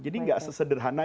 jadi tidak sesederhana